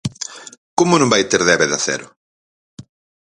¿Como non vai ter débeda cero?